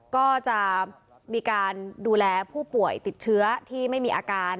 ก็จะมีการดูแลผู้ป่วยติดเชื้อที่ไม่มีอาการ